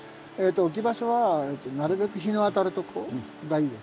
置き場所はなるべく日の当たるとこがいいです。